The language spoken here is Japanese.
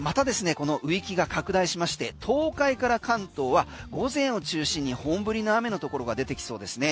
この雨域が拡大しまして東海から関東は午前を中心に本降りの雨のところが出てきそうですね。